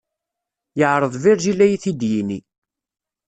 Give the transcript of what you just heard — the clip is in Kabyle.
Yeɛreḍ Virgile ad yi-t-id-yini.